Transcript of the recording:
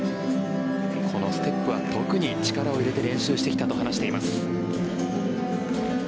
このステップは特に力を入れて練習してきたと話しています。